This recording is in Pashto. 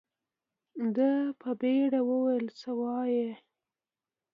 ده په بيړه وويل څه وايې.